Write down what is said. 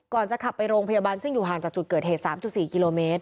จะขับไปโรงพยาบาลซึ่งอยู่ห่างจากจุดเกิดเหตุ๓๔กิโลเมตร